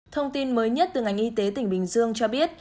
thông tin mới nhất từ ngành y tế tỉnh bình dương cho biết